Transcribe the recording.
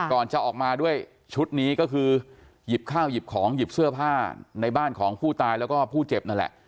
ก่อนจะออกมาด้วยชุดนี้ก็คือหยิบข้าวหยิบของหยิบเสื้อผ้าในบ้านของผู้ตายแล้วก็ผู้เจ็บนั่นแหละ